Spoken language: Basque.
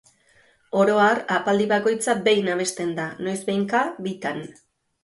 Oro har, ahapaldi bakoitza behin abesten da, noizbehinka bitan.